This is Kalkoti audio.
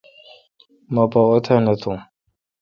مہ پا اوتھ نہ تھون۔